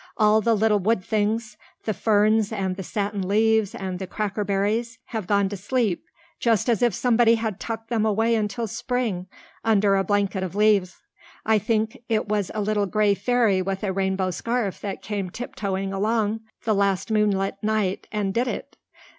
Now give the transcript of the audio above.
All the little wood things the ferns and the satin leaves and the crackerberries have gone to sleep, just as if somebody had tucked them away until spring under a blanket of leaves. I think it was a little gray fairy with a rainbow scarf that came tiptoeing along the last moonlight night and did it.